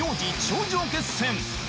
頂上決戦